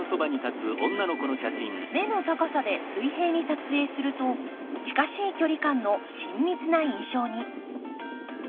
目の高さで水平に撮影すると近しい距離感の親密な印象に。